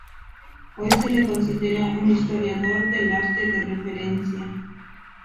Hoy se le considera un historiador del arte de referencia.